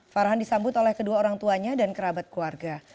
farhan disambut oleh kedua orang tuanya dan kerabat keluarga